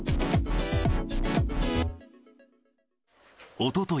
おととい、